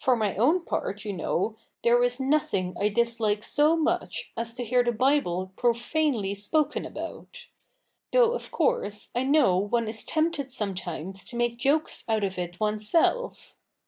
For my own part, you know, there is nothing I dislike so much as to hear the Bible profanely spoken about ; though, of course, I know one is tempted sometimes to make jokes out of it oneself.